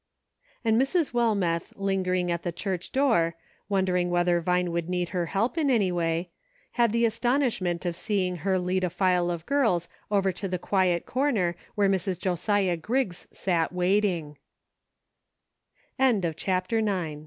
And Mrs. Wilmeth lingering at the church door, wondering whether Vine would need her help in any way, had the astonishment of seeing her lead a file of girls over to the quiet corner where Mrs. Josiah Griggs sat waitin